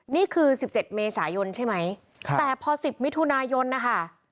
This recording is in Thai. นี่คือ๑๗เมษายนใช่ไหมแต่พอ๑๐มิถุนายนนะคะ